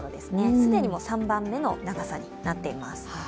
既にもう３番目の長さになっています。